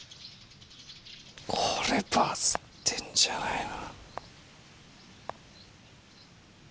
これバズってんじゃないの？